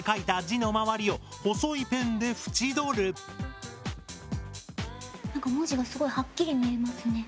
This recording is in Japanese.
最後は文字がすごいはっきり見えますね。